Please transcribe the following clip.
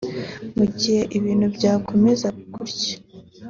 Mu gihe ibintu byakomeza gutya